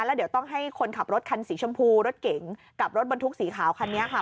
แล้วเดี๋ยวต้องให้คนขับรถคันสีชมพูรถเก๋งกับรถบรรทุกสีขาวคันนี้ค่ะ